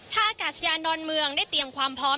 ท่าอากาศยานดอนเมืองได้เตรียมความพร้อม